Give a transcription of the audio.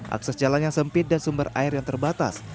akses jalan yang sempit dan sumber air yang terbatas